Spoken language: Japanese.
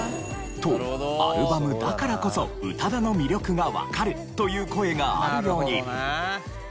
とアルバムだからこそ宇多田の魅力がわかるという声があるように。